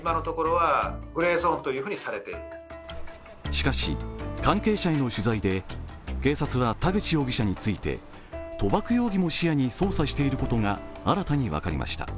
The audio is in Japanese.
しかし、関係者への取材で警察は田口容疑者について、賭博容疑も視野に捜査していることが新たに分かりました。